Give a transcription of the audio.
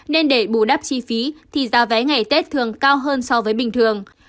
nên để bù đắp chi phí thì giá vé ngày tết thường cao hơn so với bình thường